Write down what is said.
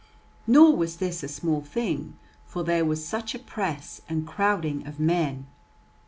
Nor was this a small thing, for there was such a press and crowding of men.